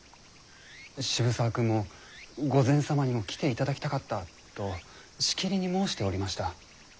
渋沢君も「御前様にも来ていただきたかった」としきりに申しておりました。